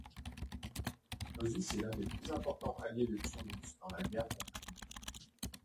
Clausus est l'un des plus importants alliés de Turnus dans la guerre contre Enée.